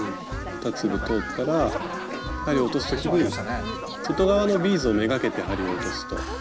２粒通ったら針落とす時に外側のビーズを目がけて針を落とすと。